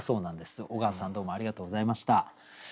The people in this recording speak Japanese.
おがわさんどうもありがとうございました。